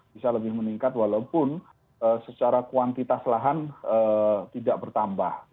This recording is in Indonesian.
bisa lebih meningkat walaupun secara kuantitas lahan tidak bertambah